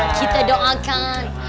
nah kita doakan